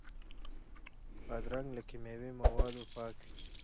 بادرنګ له کیمیاوي موادو پاک وي.